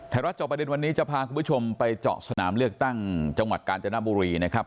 รัฐจอบประเด็นวันนี้จะพาคุณผู้ชมไปเจาะสนามเลือกตั้งจังหวัดกาญจนบุรีนะครับ